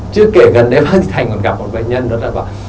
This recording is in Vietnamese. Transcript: chưa kể gần đấy bác sĩ thành còn gặp một bệnh nhân đó là bảo